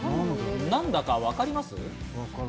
何だかわかります？